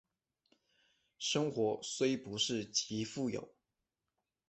生活虽不是极富有